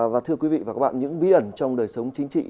và thưa quý vị và các bạn những bí ẩn trong đời sống chính trị